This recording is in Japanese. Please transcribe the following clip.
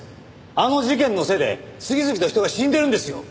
あの事件のせいで次々と人が死んでるんですよ。